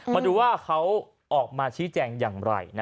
มาดูว่าเขาออกมาชี้แจงอย่างไร